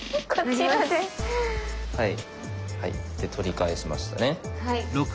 はいで取り返しましたね。